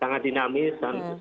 sangat dinamis dan sangat kompleks